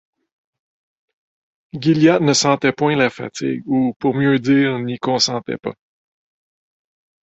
Gilliatt ne sentait point la fatigue, ou, pour mieux dire, n’y consentait pas.